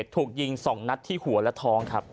ถูกยิง๒นัดที่หัวและท้องครับ